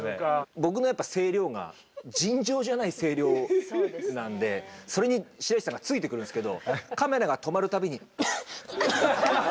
僕のやっぱ声量が尋常じゃない声量なんでそれに白石さんがついてくるんですけどカメラが止まるたびに。